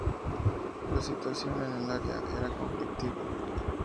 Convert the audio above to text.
La situación en el área era conflictiva.